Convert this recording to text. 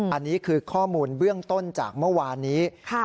อันนี้คือข้อมูลเบื้องต้นจากเมื่อวานนี้